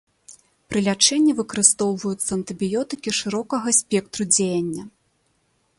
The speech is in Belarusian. Пры лячэнні выкарыстоўваюцца антыбіётыкі шырокага спектру дзеяння.